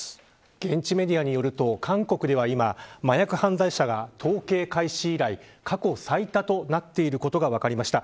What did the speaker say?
現地メディアによると韓国では今麻薬犯罪者が統計開始以来過去最多となっていることが分かりました。